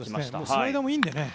スライダーもいいのでね。